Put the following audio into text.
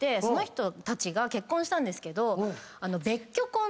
その人たちが結婚したんですけど。